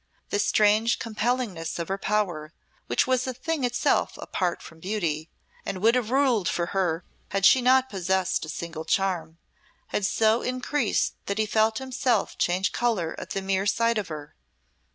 The strange compellingness of her power, which was a thing itself apart from beauty, and would have ruled for her had she not possessed a single charm, had so increased that he felt himself change colour at the mere sight of her.